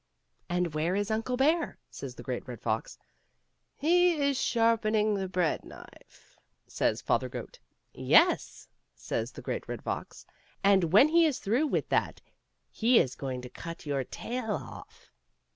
"And where is Uncle Bear?" says the Great Red Fox. " He is sharpening the bread knife," says Father Goat. " Yes," says the Great Red Fox, " and when he is through with that he is going to cut your tail off."